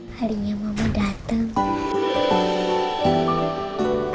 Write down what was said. hari ini mama datang